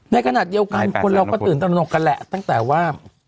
ในขณะเดียวกันคนเราก็ตื่นตนกกันแหละตั้งแต่ว่า